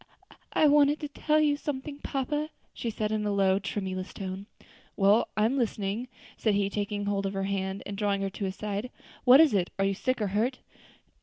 "I wanted to tell you something, papa," she said in a low, tremulous tone. "Well, I am listening," said he, taking hold of her hand and drawing her to his side. "What is it? are you sick or hurt?"